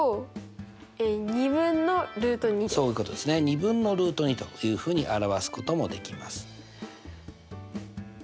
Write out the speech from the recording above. ２分のルート２というふうに表すこともできます。